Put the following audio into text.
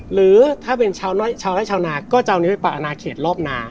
หรือถ้าเป็นชาวน้อยชาวน้อยชาวนาก็จะเอาไว้ปรากฏอาณาเขตรอบนา